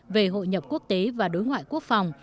về hội nhập quốc tế và đối ngoại quốc phòng